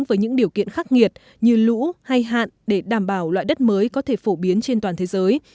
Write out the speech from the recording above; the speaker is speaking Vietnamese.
với những điều kiện khắc nghiệt như lũ hay hạn để đảm bảo loại đất mới có thể phổ biến trên toàn thế giới